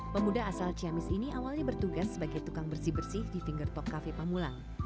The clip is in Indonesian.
pemuda asal ciamis ini awalnya bertugas sebagai tukang bersih bersih di finger talk cafe pamulang